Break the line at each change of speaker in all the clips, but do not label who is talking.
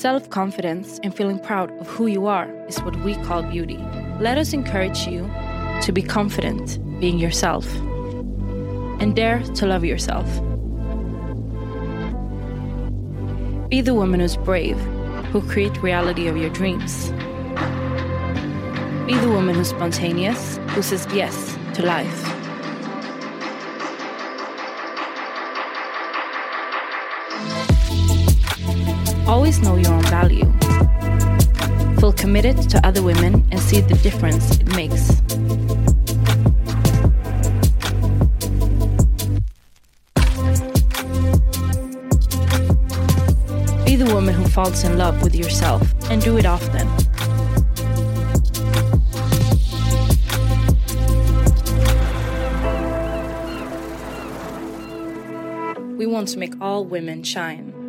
Self-confidence and feeling proud of who you are is what we call beauty. Let us encourage you to be confident being yourself and dare to love yourself. Be the woman who's brave, who create reality of your dreams. Be the woman who's spontaneous, who says yes to life. Always know your own value. Feel committed to other women and see the difference it makes. Be the woman who falls in love with yourself and do it often. We want to make all women shine.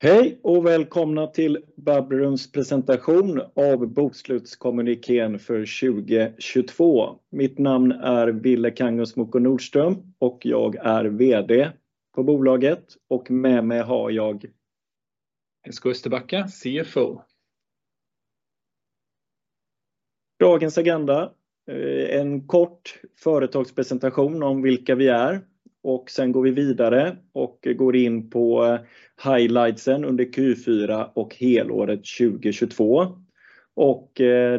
Hej och välkomna till Bubbleroom's presentation av bokslutskommunikén för 2022. Mitt namn är Ville Kangasmuukko-Nordström och jag är vd på bolaget och med mig har jag...
Esko Österbacka, CFO.
Dagens agenda, en kort företagspresentation om vilka vi är och sen går vi vidare och går in på highlights under Q4 och helåret 2022.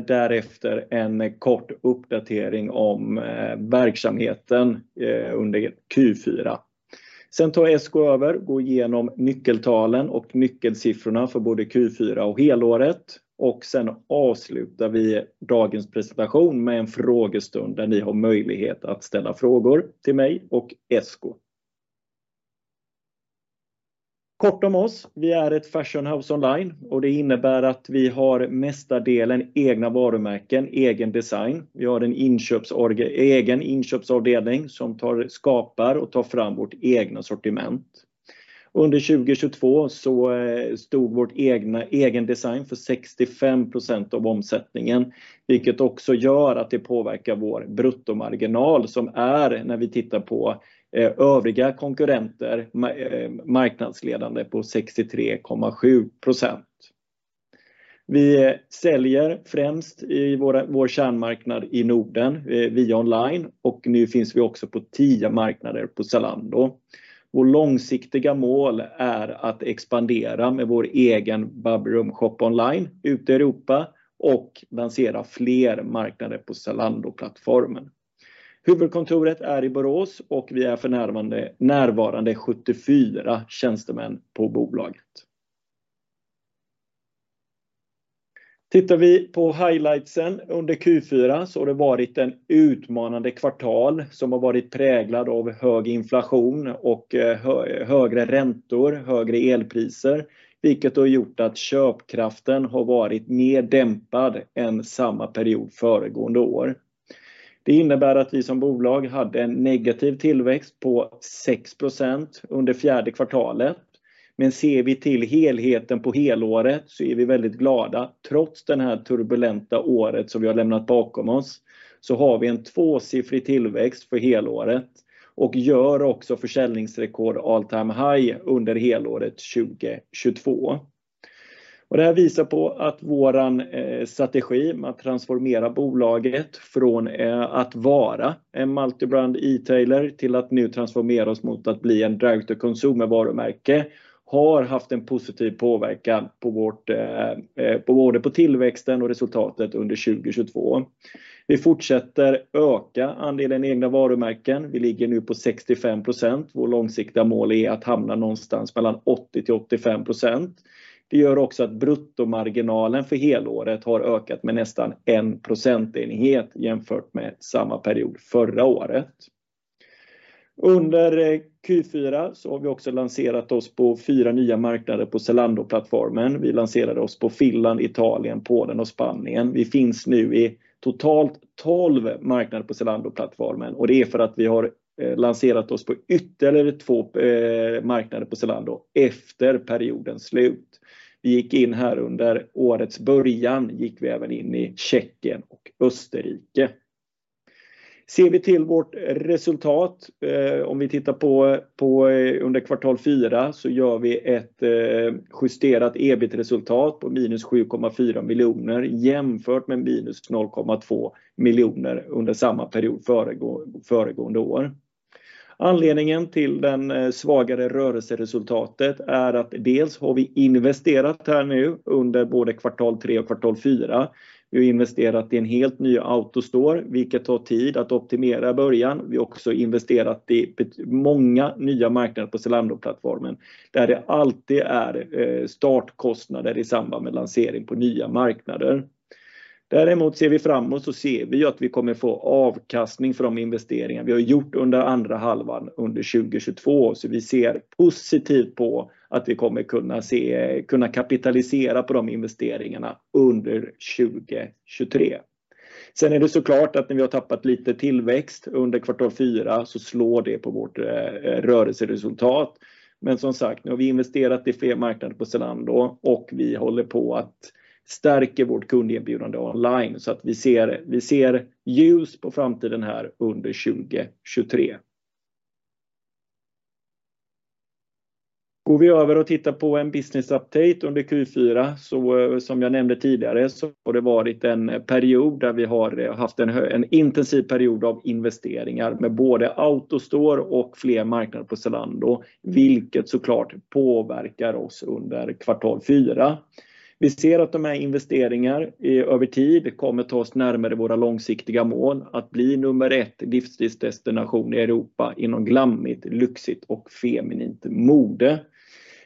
Därefter en kort uppdatering om verksamheten under Q4. Tar Esko Österbacka över, går igenom nyckeltalen och nyckelsiffrorna för både Q4 och helåret och sen avslutar vi dagens presentation med en frågestund där ni har möjlighet att ställa frågor till mig och Esko Österbacka. Kort om oss, vi är ett fashion house online och det innebär att vi har mesta delen egna varumärken, egen design. Vi har en egen inköpsavdelning som tar, skapar och tar fram vårt egna sortiment. Under 2022 så stod vårt egna, egen design för 65% av omsättningen, vilket också gör att det påverkar vår bruttomarginal som är när vi tittar på övriga konkurrenter, marknadsledande på 63.7%. Vi säljer främst i vår kärnmarknad i Norden via online och nu finns vi också på 10 marknader på Zalando. Vår långsiktiga mål är att expandera med vår egen Bubbleroom shop online ute i Europa och lansera fler marknader på Zalando-plattformen. Huvudkontoret är i Borås och vi är för närvarande 74 tjänstemän på bolaget. Tittar vi på highlights under Q4 har det varit en utmanande kvartal som har varit präglad av hög inflation och högre räntor, högre elpriser, vilket har gjort att köpkraften har varit mer dämpad än samma period föregående år. Det innebär att vi som bolag hade en negativ tillväxt på 6% under fjärde kvartalet. Ser vi till helheten på helåret är vi väldigt glada. Trots den här turbulenta året som vi har lämnat bakom oss, har vi en 2-siffrig tillväxt för helåret och gör också försäljningsrekord all-time high under helåret 2022. Det här visar på att våran strategi med att transformera bolaget från att vara en multibrand e-tailer till att nu transformera oss mot att bli en direct to consumer varumärke har haft en positiv påverkan på både tillväxten och resultatet under 2022. Vi fortsätter öka andelen egna varumärken. Vi ligger nu på 65%. Vår långsiktiga mål är att hamna någonstans mellan 80%-85%. Det gör också att bruttomarginalen för helåret har ökat med nästan 1 procentenhet jämfört med samma period förra året. Under Q4 har vi också lanserat oss på 4 nya marknader på Zalando-plattformen. Vi lanserade oss på Finland, Italien, Polen och Spanien. Vi finns nu i totalt 12 marknader på Zalando-plattformen och det är för att vi har lanserat oss på ytterligare 2 marknader på Zalando efter periodens slut. Vi gick in här under årets början, gick vi även in i Tjeckien och Österrike. Ser vi till vårt resultat, om vi tittar på under kvartal 4 så gör vi ett justerat EBIT-resultat på minus SEK 7.4 million jämfört med minus SEK 0.2 million under samma period föregående år. Anledningen till den svagare rörelseresultatet är att dels har vi investerat här nu under både kvartal 3 och kvartal 4. Vi har investerat i en helt ny AutoStore, vilket tar tid att optimera i början. Vi har också investerat i många nya marknader på Zalando-plattformen, där det alltid är startkostnader i samband med lansering på nya marknader. Ser vi framåt att vi kommer få avkastning för de investeringar vi har gjort under andra halvan under 2022. Vi ser positivt på att vi kommer kunna se, kunna kapitalisera på de investeringarna under 2023.
Det är så klart att när vi har tappat lite tillväxt under Q4 så slår det på vårt rörelseresultat. Som sagt, nu har vi investerat i fler marknader på Zalando och vi håller på att stärka vårt kundinbjudande online. Vi ser, vi ser ljus på framtiden här under 2023. Går vi över och tittar på en business update under Q4. Som jag nämnde tidigare så har det varit en period där vi har haft en hög, intensiv period av investeringar med både AutoStore och fler marknader på Zalando, vilket så klart påverkar oss under Q4. Vi ser att de här investeringar över tid kommer ta oss närmare våra långsiktiga mål att bli number one livsstilsdestination i Europa inom glammigt, lyxigt och feminint mode.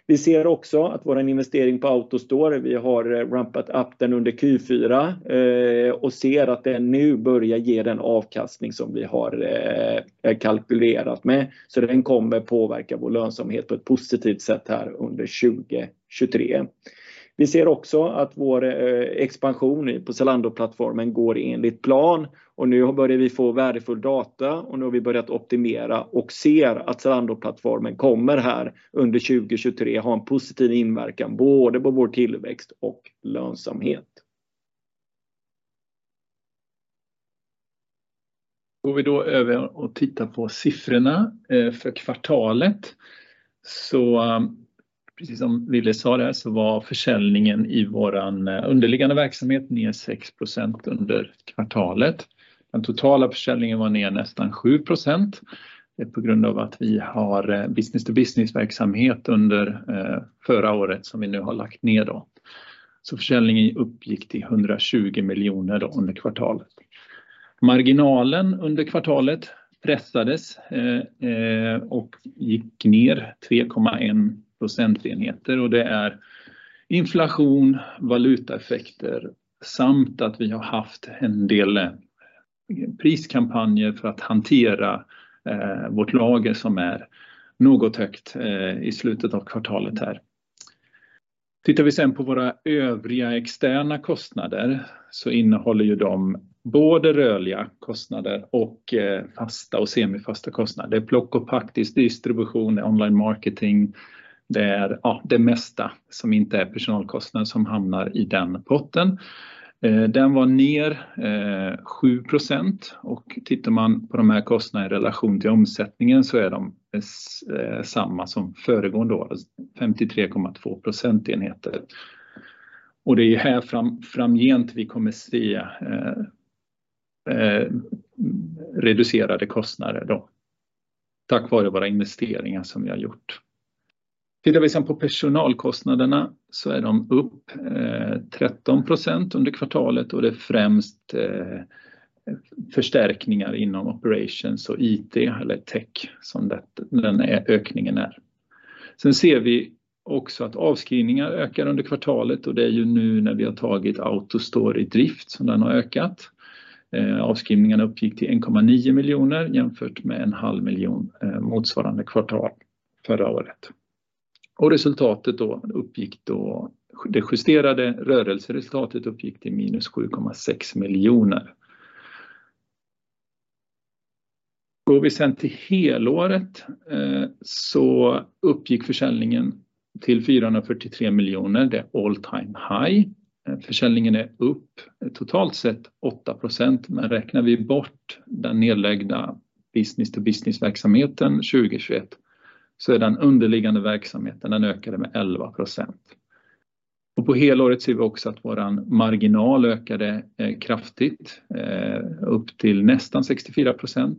Vi ser också att vår investering på AutoStore, vi har rampat upp den under Q4, och ser att det nu börja ge den avkastning som vi har kalkylerat med. Den kommer påverka vår lönsamhet på ett positivt sätt här under 2023. Vi ser också att vår expansion på Zalando-plattformen går enligt plan och nu börjar vi få värdefull data och nu har vi börjat optimera och ser att Zalando-plattformen kommer här under 2023 ha en positiv inverkan både på vår tillväxt och lönsamhet. Går vi då över och tittar på siffrorna för kvartalet. Precis som Ville sa där så var försäljningen i vår underliggande verksamhet ner 6% under kvartalet. Den totala försäljningen var ner nästan 7%. Det är på grund av att vi har business-to-business-verksamhet under förra året som vi nu har lagt ner då. Försäljningen uppgick till SEK 120 miljoner då under kvartalet. Marginalen under kvartalet pressades, gick ner 3.1 percentage points. Det är inflation, valutaeffekter samt att vi har haft en del priskampanjer för att hantera vårt lager som är något högt i slutet av kvartalet här. Tittar vi sen på våra övriga externa kostnader så innehåller ju de både rörliga kostnader och fasta och semifasta kostnader. Det är plock och pack, distribution, online marketing. Det är, ja, det mesta som inte är personalkostnad som hamnar i den potten. Den var ner 7%. Tittar man på de här kostnaderna i relation till omsättningen så är de samma som föregående år, 53.2 percentage points. Det är ju här framgent vi kommer att se, reducerade kostnader då. Tack vare våra investeringar som vi har gjort. Tittar vi på personalkostnaderna så är de upp 13% under kvartalet och det är främst förstärkningar inom operations och IT or tech som den ökningen är. Vi ser också att avskrivningar ökar under kvartalet och det är ju nu när vi har tagit AutoStore i drift som den har ökat. Avskrivningarna uppgick till SEK 1.9 million jämfört med a half million motsvarande kvartal förra året. Resultatet uppgick, det justerade rörelseresultatet uppgick till minus SEK 7.6 million. Går vi till helåret, så uppgick försäljningen till SEK 443 million. Det är all time high. Försäljningen är upp totalt sett 8%. Räknar vi bort den nedlagda business-to-business-verksamheten 2021, är den underliggande verksamheten, den ökade med 11%. På helåret ser vi också att vår marginal ökade kraftigt, upp till nästan 64%.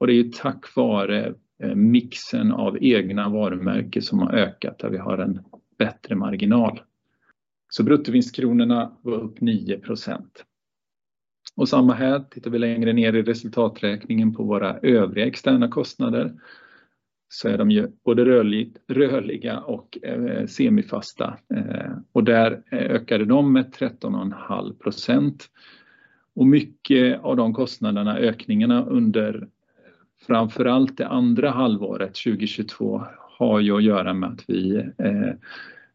Det är ju tack vare mixen av egna varumärken som har ökat där vi har en bättre marginal. Bruttovinstkronorna var upp 9%. Samma här. Tittar vi längre ner i resultaträkningen på våra övriga externa kostnader, så är de ju både rörliga och semifasta. Där ökade de med 13.5%. Mycket av de kostnaderna, ökningarna under framför allt det andra halvåret 2022 har ju att göra med att vi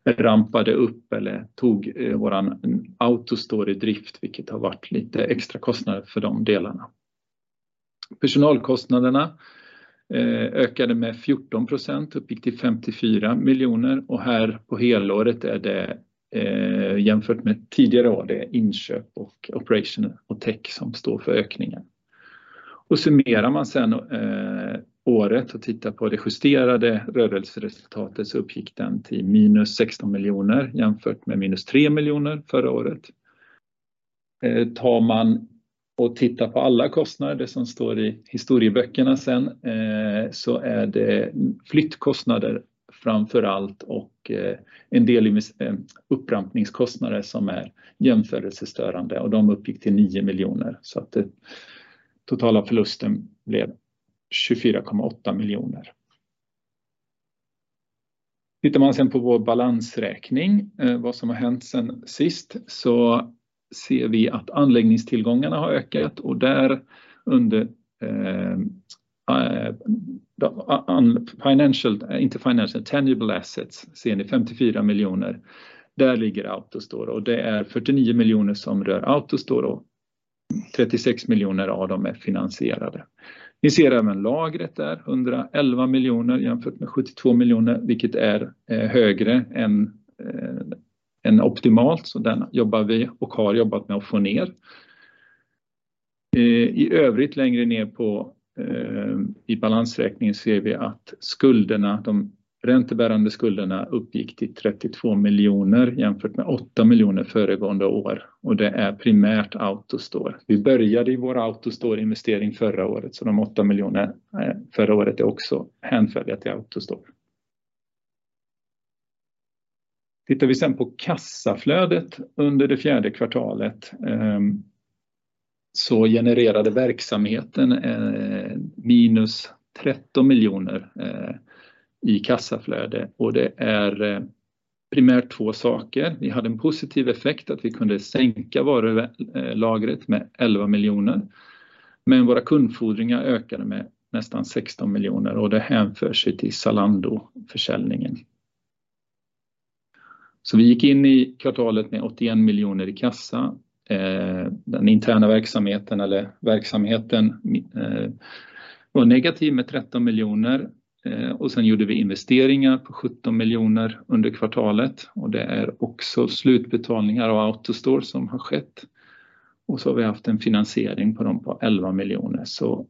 rampade upp eller tog vår AutoStore i drift, vilket har varit lite extrakostnad för de delarna. Personalkostnaderna ökade med 14%, uppgick till SEK 54 million och här på helåret är det jämfört med tidigare år, det är inköp och operation och tech som står för ökningen. Summerar man sedan året och tittar på det justerade rörelseresultatet uppgick den till minus SEK 16 million jämfört med minus SEK 3 million förra året. Tar man och tittar på alla kostnader, det som står i historieböckerna sedan, så är det flyttkostnader framför allt och en del upprampningskostnader som är jämförelsestörande och de uppgick till SEK 9 million. Det totala förlusten blev SEK 24.8 million. Tittar man sen på vår balansräkning, vad som har hänt sedan sist, ser vi att anläggningstillgångarna har ökat och där under, tangible assets ser ni SEK 54 million. Där ligger AutoStore och det är SEK 49 million som rör AutoStore och-SEK 36 million av dem är finansierade. Ni ser även lagret där, SEK 111 million jämfört med SEK 72 million, vilket är högre än optimalt. Den jobbar vi och har jobbat med att få ner. I övrigt längre ner på, i balansräkningen ser vi att skulderna, de räntebärande skulderna uppgick till SEK 32 million jämfört med SEK 8 million föregående år. Det är primärt AutoStore. Vi började vår AutoStore-investering förra året, de SEK 8 million förra året är också hänförliga till AutoStore. Tittar vi sen på kassaflödet under det fjärde kvartalet, genererade verksamheten, minus SEK 13 million, i kassaflöde och det är primärt två saker. Vi hade en positiv effekt att vi kunde sänka varulagret med SEK 11 million. Våra kundfordringar ökade med nästan SEK 16 million och det hänför sig till Zalando-försäljningen. Vi gick in i kvartalet med SEK 81 million i kassa. Den interna verksamheten eller verksamheten, var negativ med SEK 13 million. Sen gjorde vi investeringar på SEK 17 million under kvartalet och det är också slutbetalningar av AutoStore som har skett. Vi har haft en finansiering på de på SEK 11 million.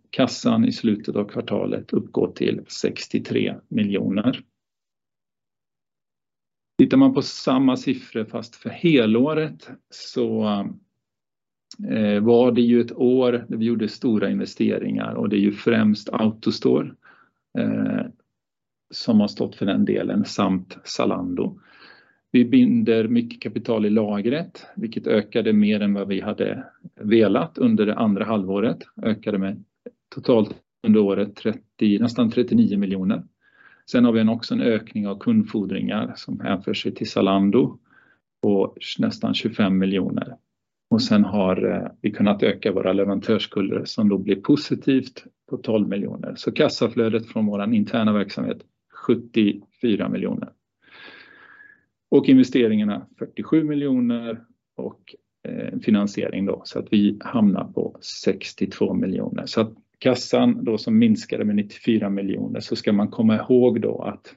Kassan i slutet av kvartalet uppgår till SEK 63 million. Tittar man på samma siffror fast för helåret så, var det ju ett år där vi gjorde stora investeringar och det är ju främst AutoStore som har stått för den delen samt Zalando. Vi binder mycket kapital i lagret, vilket ökade mer än vad vi hade velat under det andra halvåret. Ökade med totalt under året 30, nästan SEK 39 million. Vi har också en ökning av kundfordringar som hänför sig till Zalando på nästan SEK 25 million. Vi har kunnat öka våra leverantörsskulder som då blir positivt på SEK 12 million. Kassaflödet från vår interna verksamhet, SEK 74 million. Investeringarna SEK 47 million och finansiering då, så att vi hamnar på SEK 62 million. Kassan då som minskade med SEK 94 million, så ska man komma ihåg då att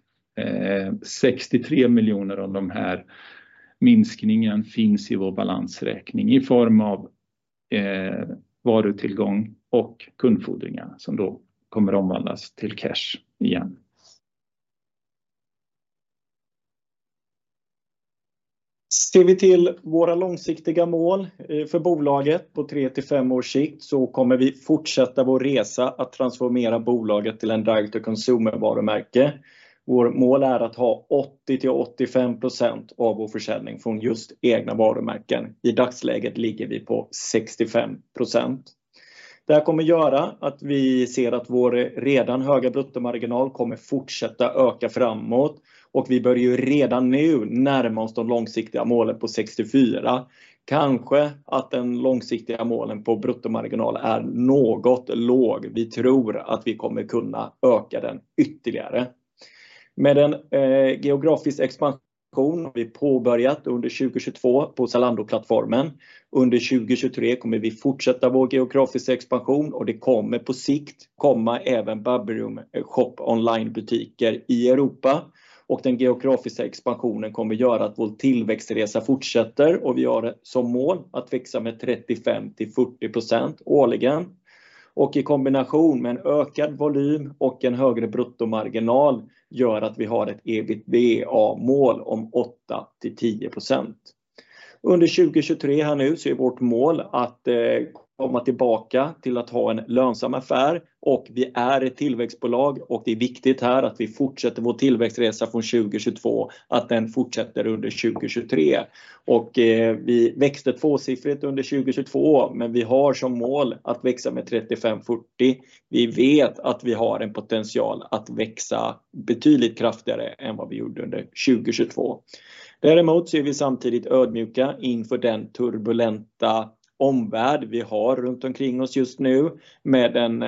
SEK 63 million av de här minskningen finns i vår balansräkning i form av varutillgång och kundfordringar som då kommer omvandlas till cash igen.
Ser vi till våra långsiktiga mål för bolaget på 3 till 5 års sikt kommer vi fortsätta vår resa att transformera bolaget till en direct-to-consumer varumärke. Vårt mål är att ha 80%-85% av vår försäljning från just egna varumärken. I dagsläget ligger vi på 65%. Det här kommer göra att vi ser att vår redan höga bruttomarginal kommer fortsätta öka framåt och vi bör ju redan nu närma oss de långsiktiga målen på 64%. Kanske att den långsiktiga målen på bruttomarginal är något låg. Vi tror att vi kommer kunna öka den ytterligare. Med en geografisk expansion har vi påbörjat under 2022 på Zalando-plattformen. Under 2023 kommer vi fortsätta vår geografiska expansion och det kommer på sikt komma även Bubbleroom shop online-butiker i Europa. Den geografiska expansionen kommer göra att vår tillväxtresa fortsätter och vi har som mål att växa med 35%-40% årligen. I kombination med en ökad volym och en högre bruttomarginal gör att vi har ett EBITDA-mål om 8-10%. Under 2023 här nu är vårt mål att komma tillbaka till att ha en lönsam affär och vi är ett tillväxtbolag och det är viktigt här att vi fortsätter vår tillväxtresa från 2022, att den fortsätter under 2023. Vi växte tvåsiffrigt under 2022, men vi har som mål att växa med 35%-40%. Vi vet att vi har en potential att växa betydligt kraftigare än vad vi gjorde under 2022. Däremot är vi samtidigt ödmjuka inför den turbulenta omvärld vi har runt omkring oss just nu med en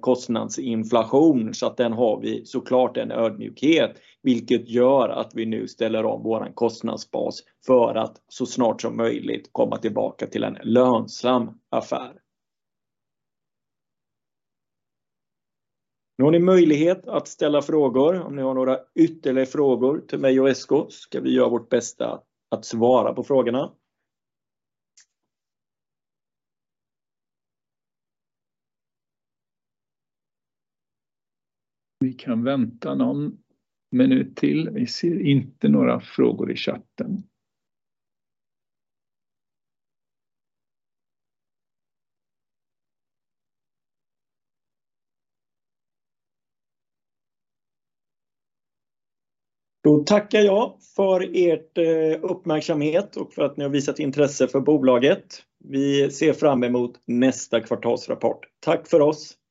kostnadsinflation. Den har vi så klart en ödmjukhet, vilket gör att vi nu ställer om vår kostnadsbas för att så snart som möjligt komma tillbaka till en lönsam affär. Nu har ni möjlighet att ställa frågor. Om ni har några ytterligare frågor till mig och Esko ska vi göra vårt bästa att svara på frågorna.
Vi kan vänta någon minut till. Vi ser inte några frågor i chatten.
Tackar jag för ert uppmärksamhet och för att ni har visat intresse för bolaget. Vi ser fram emot nästa kvartalsrapport. Tack för oss!